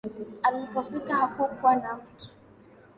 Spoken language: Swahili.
Alipofika hakukuwa na mtu